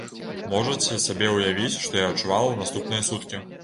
Можаце сабе ўявіць, што я адчувала ў наступныя суткі.